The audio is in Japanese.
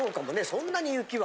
そんなに雪は。